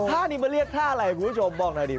ท่านี้มาเรียกท่าอะไรคุณผู้ชมบอกหน่อยดิ